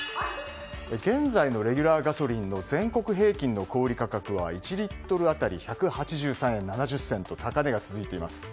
現在のレギュラーガソリンの全国平均の小売価格は１リットル当たり１８３円７０銭と高値が続いています。